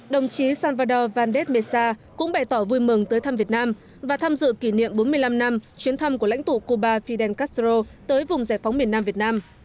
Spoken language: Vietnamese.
đồng chí salvador vandes mesa cũng bày tỏ vui mừng tới thăm việt nam và tham dự kỷ niệm bốn mươi năm năm chuyến thăm của lãnh tụ cuba fidel castro tới vùng giải phóng miền nam việt nam